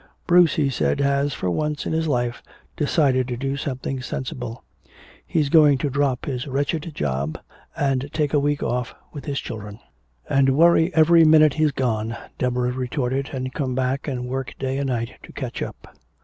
"Bruce," he said, "has for once in his life decided to do something sensible. He's going to drop his wretched job and take a week off with his children." "And worry every minute he's gone," Deborah retorted, "and come back and work day and night to catch up.